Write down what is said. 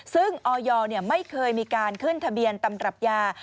ซึ่งออยไม่เคยมีการขึ้นทะเบียนตำรับยา